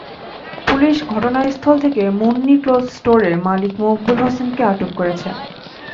Police ঘটনাস্থল থেকে Munni cloth স্টোরের মালিক মকবুল হোসেনকে আটক করেছে।